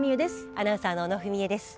アナウンサーの小野文惠です。